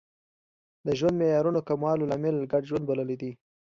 د ژوند معیارونو کموالی لامل ګډ ژوند بللی دی